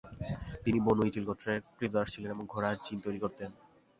তিনি বনু ইজিল গোত্রের ক্রীতদাস ছিলেন এবং ঘোড়ার জিন তৈরী করতেন।